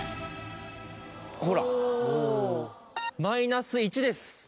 マイナス１です。